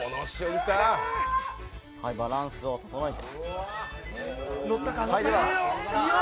バランスを整えて。